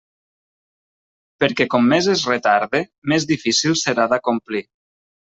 Perquè com més es retarde, més difícil serà d'acomplir.